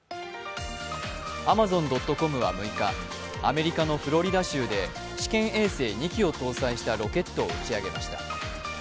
アマゾン・ドット・コムは６日、アメリカのフロリダ州で、試験衛星２基を搭載したロケットを打ち上げました。